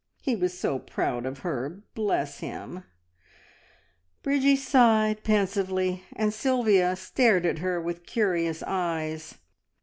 He was so proud of her, bless him!" Bridgie sighed pensively, and Sylvia stared at her with curious eyes.